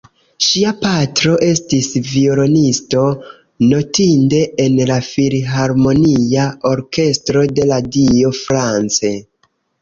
Ŝia patro, estis violonisto notinde en la filharmonia orkestro de Radio France.